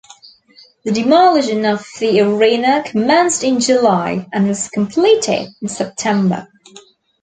The demolition of the arena commenced in July and was completed in September.